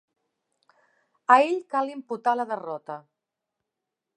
A ell cal imputar la derrota.